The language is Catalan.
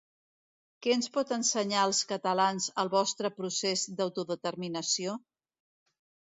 Què ens pot ensenyar als catalans el vostre procés d’autodeterminació?